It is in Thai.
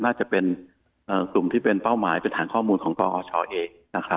น่าจะเป็นกลุ่มที่เป็นเป้าหมายเป็นฐานข้อมูลของกอชเอง